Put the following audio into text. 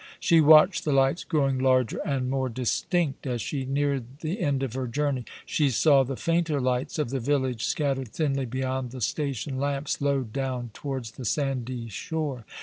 She watched the lights growing larger and more distinct as she neared the end of her journey. She saw the fainter lights of the village scattered thinly beyond the station lamps, low down towards the sandy shore.